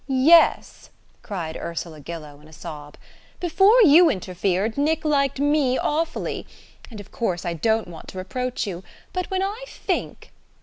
"Yes," cried Ursula Gillow in a sob, "before you interfered Nick liked me awfully... and, of course, I don't want to reproach you... but when I think...."